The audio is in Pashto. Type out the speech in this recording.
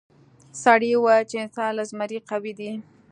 سړي وویل چې انسان له زمري قوي دی.